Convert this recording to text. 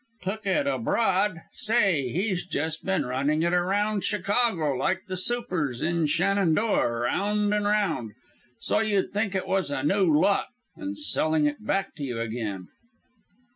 "Took it abroad! Say, he's just been running it around Chicago, like the supers in 'Shenandoah,' round an' round, so you'd think it was a new lot, an' selling it back to you again."